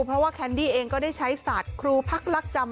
เพราะว่าแคนดี้เองก็ได้ใช้สัตว์ครูพักลักจำ